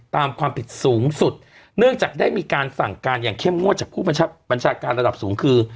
ตามความผิดสูงสุดเนื่องจากได้มีการสั่งการอย่างเข้มงวดจากผู้บัญชาการระดับสูงคือ